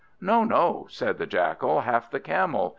"No, no," said the Jackal, "half the Camel.